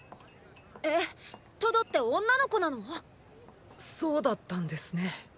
トドって女の子なの⁉そうだったんですね。